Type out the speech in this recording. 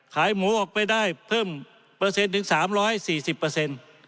ขายหมูออกไปได้เพิ่มเปอร์เซ็นต์ถึง๓๔๐